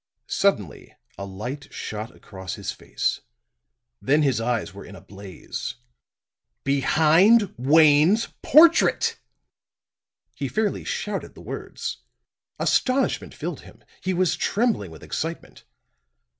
Suddenly a light shot across his face; then his eyes were in a blaze. "Behind Wayne's Portrait!" He fairly shouted the words. Astonishment filled him; he was trembling with excitement.